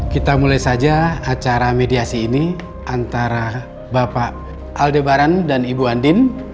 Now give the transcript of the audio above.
kita mulai saja acara mediasi ini antara bapak al debaran dan ibu andin